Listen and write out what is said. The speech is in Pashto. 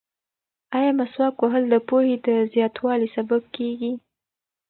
ایا مسواک وهل د پوهې د زیاتوالي سبب کیږي؟